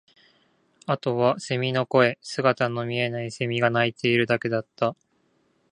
あとは蝉の声、姿の見えない蝉が鳴いているだけだった